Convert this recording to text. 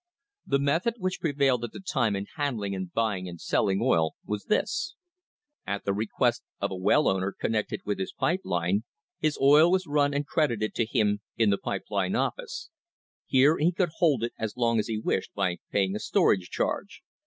The method which prevailed at the time in handling and buying and selling oil was this: At the request of the well owner connected with a pipe line his oil was run and credited to him in the pipe line office. Here he could hold it as long as he wished by paying a storage charge.